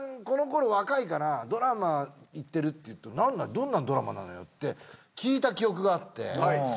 このころ若いからドラマいってるっていうとどんなドラマなのよって聞いた記憶があって。